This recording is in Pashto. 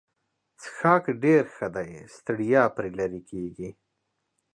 څښاک ډېر ښه دی ستړیا پرې لیرې کیږي.